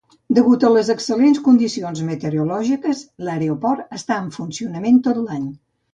Degut a les excel·lents condicions meteorològiques, l"aeroport està en funcionament tot l"any.